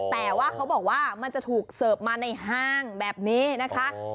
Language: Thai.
แต่ว่าเขาบอกว่ามันจะถูกเสิร์ฟมาในห้างแบบนี้นะคะ